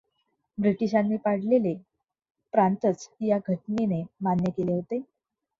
ब्रिटिशांनी पाडलेले प्रांतच या घटनेने मान्य केले होते.